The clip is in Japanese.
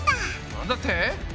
なんだって！？